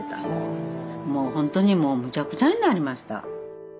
もうほんとにもうむちゃくちゃになりました。